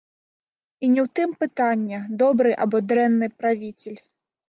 І не ў тым пытанне, добры або дрэнны правіцель.